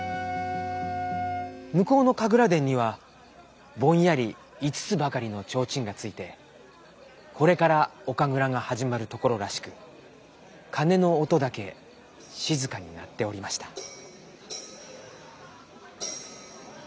むこうのかぐらでんにはぼんやり５つばかりのちょうちんがついてこれからおかぐらがはじまるところらしくかねのおとだけしずかになっておりました。